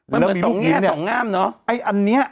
มันเหมือนส่งแง่ส่งงามเนอะ